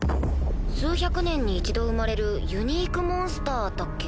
数百年に１度生まれるユニークモンスターだっけ？